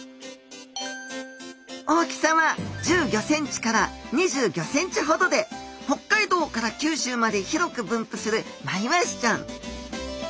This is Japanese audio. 大きさは１５ｃｍから２５ｃｍほどで北海道から九州まで広く分布するマイワシちゃん。